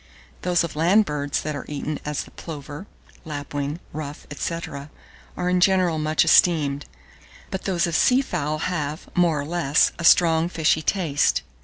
Those of land birds that are eaten, as the plover, lapwing, ruff, &c., are in general much esteemed; but those of sea fowl have, more or less, a strong fishy taste.